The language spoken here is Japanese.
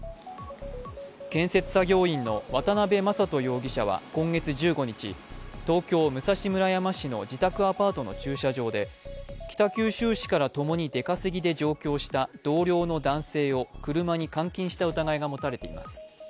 建設作業員の渡辺正人容疑者は今月１５日、東京・武蔵村山市の自宅アパートの駐車場で北九州市からともに出稼ぎで上京した同僚の男性を車に監禁した疑いが持たれています。